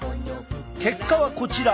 結果はこちら。